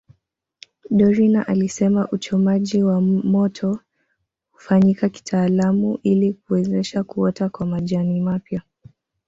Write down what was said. Dorina alisema uchomaji wa moto hufanyika kitaalamu ili kuwezesha kuota kwa majani mapya